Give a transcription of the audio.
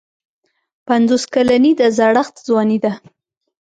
پنځوس کلني د زړښت ځواني ده.